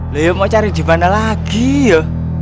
leo mau cari dimana lagi ya